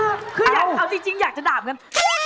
เออคือเอาจริงอยากจะด่ามกัน